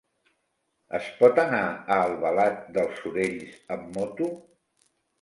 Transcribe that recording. Es pot anar a Albalat dels Sorells amb moto?